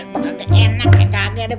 makan enak kaget kaget deh